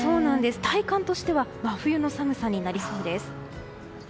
体感としては真冬の寒さになりそうです。